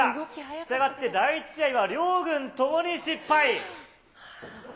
したがって第１試合は両軍ともに失敗。